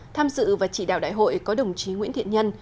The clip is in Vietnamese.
tham dự và chỉ đạo đại hội có đồng chí nguyễn thiện nhân